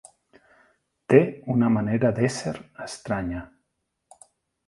Té una manera d'ésser estranya.